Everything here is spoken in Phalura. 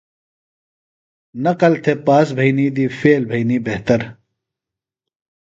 نقل تھےۡ پاس بھئینی دی فیل بھئینی بہتر۔